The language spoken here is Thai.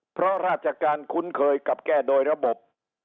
เพราะราชการคุ้นเคยกับแก้โดยระบบ